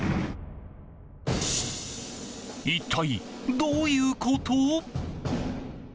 一体どういうこと？